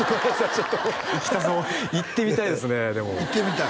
ちょっと行きたそう行ってみたいですねでも行ってみたい？